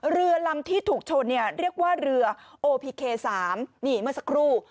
เรือลำที่ถูกชนเนี่ยเรียกว่าเรือโอพีเค๓นี่เมื่อสักครู่